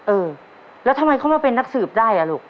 เออแล้วทำไมเขามาเป็นนักสืบได้อ่ะลูก